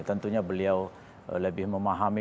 tentunya beliau lebih memahami